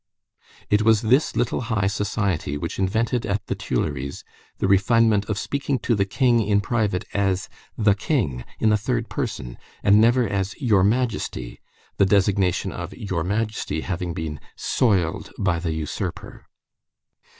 It was this little high society which invented at the Tuileries the refinement of speaking to the King in private as the King, in the third person, and never as Your Majesty, the designation of Your Majesty having been "soiled by the usurper."